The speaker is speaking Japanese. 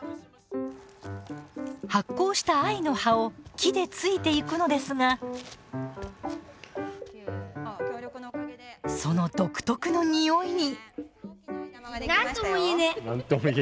発酵した藍の葉を木でついていくのですがその独特のにおいに。